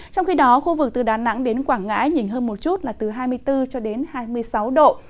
trong khi đó khu vực từ đà nẵng đến quảng ngã nhìn hơn một chút là từ hai mươi bốn hai mươi sáu độ